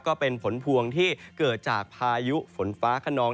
ก็เป็นผลพวงที่เกิดจากพายุฝนฟ้าขนอง